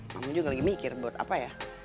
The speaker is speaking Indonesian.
kamu juga lagi mikir buat apa ya